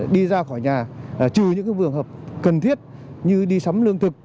đi ra khỏi nhà trừ những trường hợp cần thiết như đi sắm lương thực